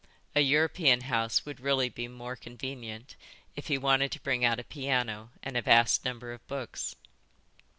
A European house would really be more convenient if he wanted to bring out a piano and a vast number of books.